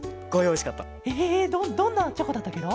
ええどどんなチョコだったケロ？